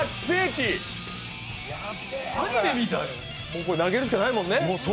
もう投げるしかないもんね。